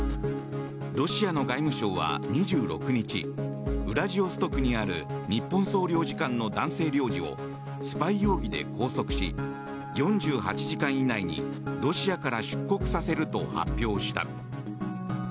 ロシアの外務省は２６日ウラジオストクにある日本総領事館の男性領事をスパイ容疑で拘束し４８時間以内にロシアから出国させると発表した。